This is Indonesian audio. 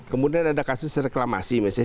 kemudian ada kasus reklamasi misalnya